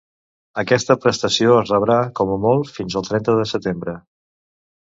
Aquesta prestació es rebrà, com a molt, fins al trenta de setembre.